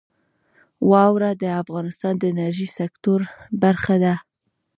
واوره د افغانستان د انرژۍ سکتور برخه ده.